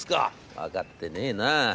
『分かってねえな。